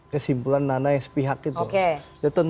kesimpulan nana yang sepihak itu